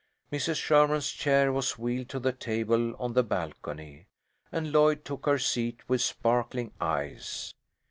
Mrs. Sherman's chair was wheeled to the table on the balcony, and Lloyd took her seat with sparkling eyes.